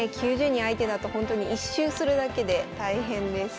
９０人相手だとほんとに１周するだけで大変です。